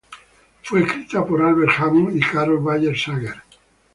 Fue escrita por Albert Hammond y Carole Bayer Sager.